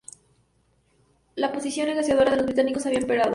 La posición negociadora de los británicos había empeorado.